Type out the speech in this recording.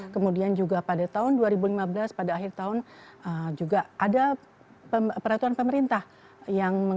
kemudian juga pada tahun dua ribu lima belas pada akhir tahun juga ada peraturan pemerintah